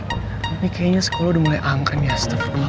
ini kayaknya sekolah udah mulai angken ya setelah gue ngasih